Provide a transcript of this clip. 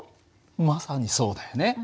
まさにそうだよね。